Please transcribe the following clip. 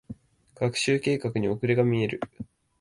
学習計画に遅れが見える。